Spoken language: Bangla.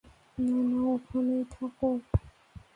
না, না, ওখানেই থাকো।